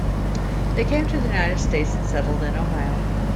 They came to the United States and settled in Ohio.